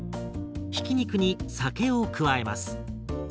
ひき肉に酒を加えます。